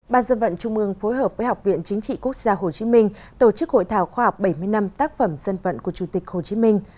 ban dân vận trung ương phối hợp với học viện chính trị quốc gia hồ chí minh tổ chức hội thảo khoa học bảy mươi năm tác phẩm dân vận của chủ tịch hồ chí minh